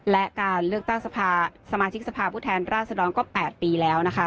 และการเลือกตั้งสมาชิกสภาพผู้แทนราชดรก็๘ปีแล้วนะคะ